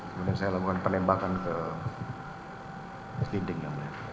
kemudian saya lakukan penembakan ke dinding yang mulia